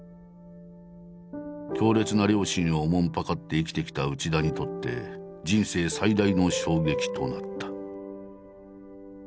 強烈な両親をおもんぱかって生きてきた内田にとって人生最大の衝撃となった。